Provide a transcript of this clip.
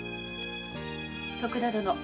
徳田殿。